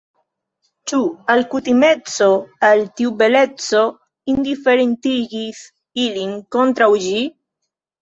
Ĉu alkutimeco al tiu beleco indiferentigis ilin kontraŭ ĝi?